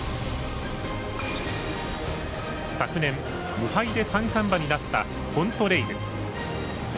昨年、無敗で三冠馬になったコントレイル。